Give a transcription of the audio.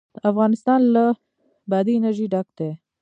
افغانستان له بادي انرژي ډک دی.